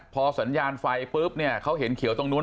พอสัญญาณไฟปุ๊บเนี่ยเขาเห็นเขียวตรงนู้น